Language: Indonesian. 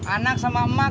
anak sama emak kompak ya